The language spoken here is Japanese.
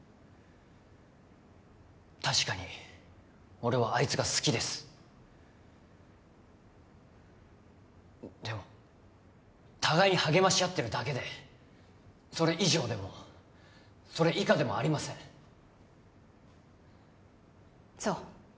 確かに俺はあいつが好きですでも互いに励まし合ってるだけでそれ以上でもそれ以下でもありませんそう